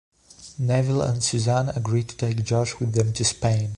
Neville and Suzanne agree to take Josh with them to Spain.